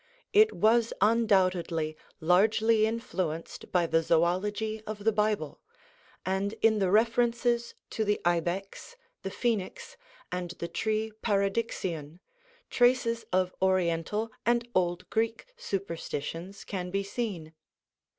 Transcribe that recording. It was undoubtedly largely influenced by the zoölogy of the Bible; and in the references to the Ibex, the Phoenix, and the tree Paradixion, traces of Oriental and old Greek superstitions can be seen.